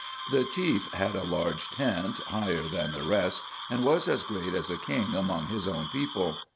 The chief had a large tent, higher than the rest, and was as great as a king among his own people.